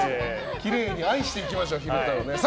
きれいに愛していきましょう昼太郎。